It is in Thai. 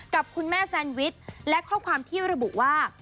กับคุณแม่แซนวิชและข้อความที่ระบุว่า